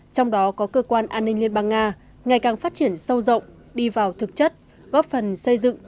trong đó có cơ quan an ninh liên bang nga ngày càng phát triển sâu rộng đi vào thực chất góp phần xây dựng